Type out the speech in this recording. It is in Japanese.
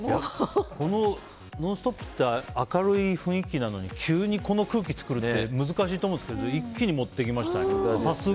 この「ノンストップ！」って明るい雰囲気なのに急にこの空気作るって難しいと思うんですけど一気に持っていきましたね。